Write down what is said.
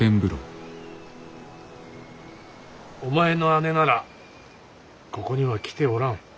お前の姉ならここには来ておらん。